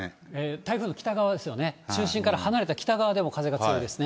台風の北側ですよね、中心から離れた北側でも風が強いですね。